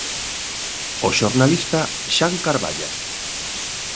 O xornalista Xan Carballa.